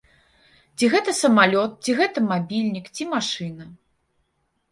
Ці гэта самалёт, ці гэта мабільнік, ці машына.